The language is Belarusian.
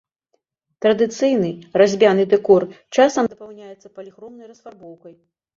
Традыцыйны разьбяны дэкор часам дапаўняецца паліхромнай расфарбоўкай.